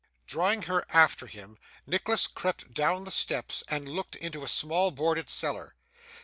Drawing her after him, Nicholas crept down the steps and looked into a small boarded cellar.